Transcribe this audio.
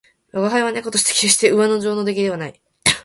吾輩は猫として決して上乗の出来ではない